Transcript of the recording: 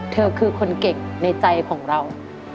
เธอคือคนเก่งในใจของเรา